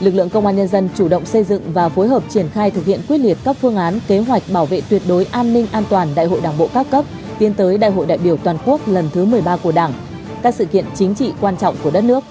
lực lượng công an nhân dân chủ động xây dựng và phối hợp triển khai thực hiện quyết liệt các phương án kế hoạch bảo vệ tuyệt đối an ninh an toàn đại hội đảng bộ các cấp tiến tới đại hội đại biểu toàn quốc lần thứ một mươi ba của đảng các sự kiện chính trị quan trọng của đất nước